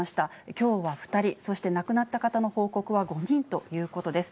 きょうは２人、そして亡くなった方の報告は５人ということです。